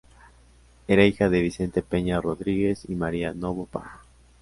Era hijo de Vicente Peña Rodríguez y María Novo Pardo.